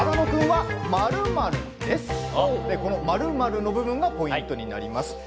この○○の部分がポイントになります。